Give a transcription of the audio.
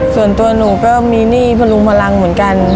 ส่วนตัวหนูก็มีหนี้พลุงพลังเหมือนกัน